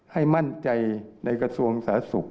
ให้มั่นใจในกระทรวงสาธารณสุข